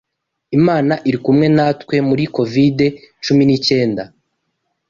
Imana iri kumwe natwe muri covid cumi n'icyenda